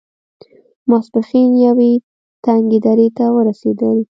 ماسپښين يوې تنګې درې ته ورسېدل.